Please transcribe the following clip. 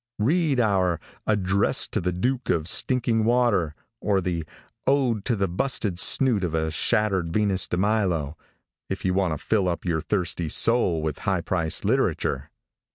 Read our "Address to the Duke of Stinking Water," or the "Ode to the Busted Snoot of a Shattered Venus DeMilo," if you want to fill up your thirsty soul with high priced literature.